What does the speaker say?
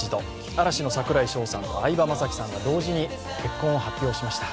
嵐の櫻井翔さんと相葉雅紀さんが同時に結婚を発表しました。